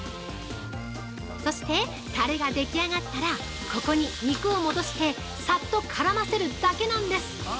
そして、タレができ上がったら、ここに肉を戻してさっと絡ませるだけなんです！